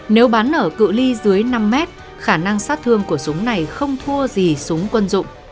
nếu bắn ở cựu ly dưới năm mét khả năng sát thương của súng này không thua gì súng quân dụng